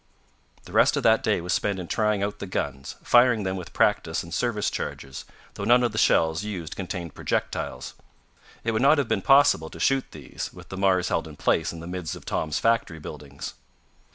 The rest of that day was spent in trying out the guns, firing them with practice and service charges, though none of the shells used contained projectiles. It would not have been possible to shoot these, with the Mars held in place in the midst of Tom's factory buildings.